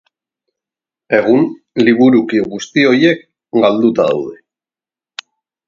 Egun liburuki guzti horiek galduta daude.